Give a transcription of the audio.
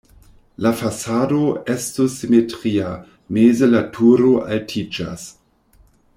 La fasado estus simetria, meze la turo altiĝas.